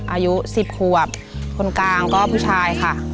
อายุ๑๐ขวบคนกลางก็ผู้ชายค่ะ